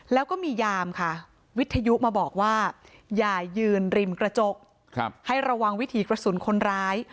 แล้วก็มียามค่ะวิทยุมาบอกว่าอย่ายืนริมกระจกให้ระวังวิถีกระสุนคนร้าย